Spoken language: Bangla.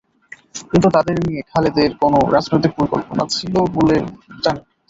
কিন্তু তাঁদের নিয়ে খালেদের কোনো রাজনৈতিক পরিকল্পনা ছিল বলে জানা যায় না।